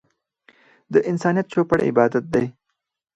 د انسانيت چوپړ عبادت دی.